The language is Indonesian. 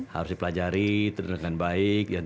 harus dipelajari dengan baik